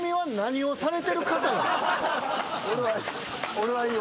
俺はいい。